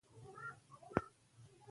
سیاسي سیاستونه د خلکو اړتیاوې پوره کوي